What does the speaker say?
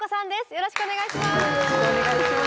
よろしくお願いします。